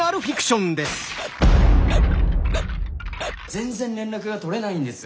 全然連絡が取れないんです。